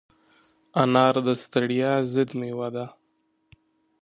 انار د ستړیا ضد مېوه ده.